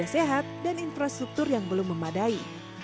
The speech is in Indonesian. dan juga dengan berbeda sehat dan infrastruktur yang belum memadai